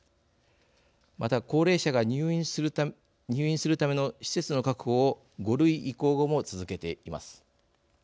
また、高齢者が入院するための施設の確保を５類移行後も続けています。